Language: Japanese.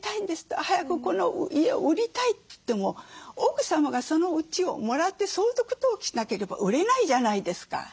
早くこの家を売りたいといっても奥様がそのうちをもらって相続登記しなければ売れないじゃないですか。